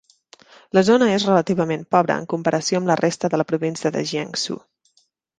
La zona és relativament pobra en comparació amb la resta de la província de Jiangsu.